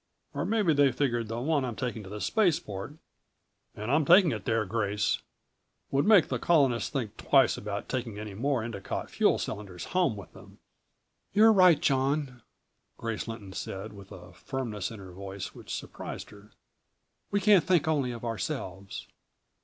Or maybe they figured the one I'm taking to the Spaceport and I am taking it there, Grace would make the Colonists think twice about taking any more Endicott fuel cylinders home with them." "You're right, John," Grace Lynton said, with a firmness in her voice which surprised her. "We can't think only of ourselves.